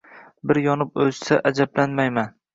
bir yonib o‘chsa, ajablanmayman.